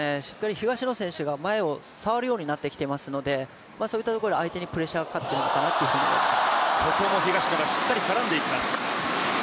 東野選手が前を触るようになってきているので、そういったところ相手にプレッシャーがかかっているのかなというふうに思います。